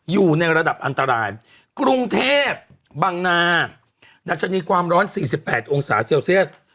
อยู่ในระดับอันตรายกรุงเทพบังนาดัชนีความร้อน๔๘องศาเซลเซียส